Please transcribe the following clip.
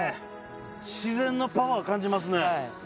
自然のパワーを感じますね。